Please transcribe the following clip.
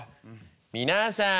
「皆さん」。